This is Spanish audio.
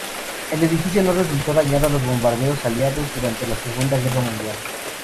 El edificio no resultó dañado a los bombardeos aliados durante la Segunda Guerra Mundial.